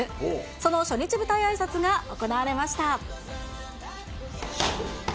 その初日舞台あいさつが行われました。